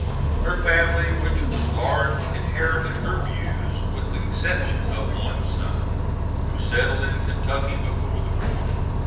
Her family, which was large, inherited her views, with the exception of one son who settled in Kentucky before the war.